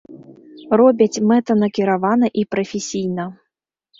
Робяць мэтанакіравана і прафесійна.